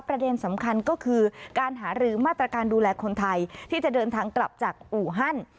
ประเด็นสำคัญก็คือการหารือมาตรการดูแลคนไทยที่จะเดินทางกลับจากอู่ฮัน